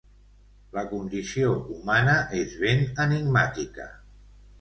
La condició humana és ben enigmàtica.